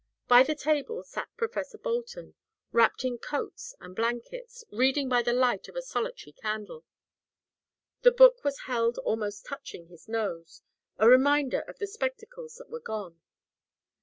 By the table sat Professor Bolton, wrapped in coats and blankets, reading by the light of a solitary candle. The book was held almost touching his nose a reminder of the spectacles that were gone.